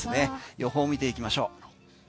予報見ていきましょう。